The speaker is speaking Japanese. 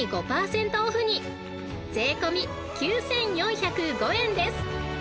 ［税込み９，４０５円です］